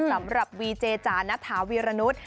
สำหรับวีเจจานัฐาวีรนุษย์